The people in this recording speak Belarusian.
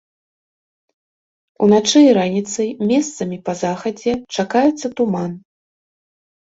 Уначы і раніцай месцамі па захадзе чакаецца туман.